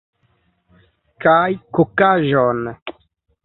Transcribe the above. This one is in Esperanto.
Kaj kokaĵon.